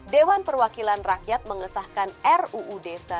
dewan perwakilan rakyat mengesahkan ruu desa